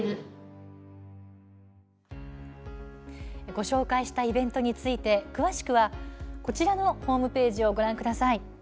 ご紹介したイベントについて詳しくはこちらのホームページをご覧ください。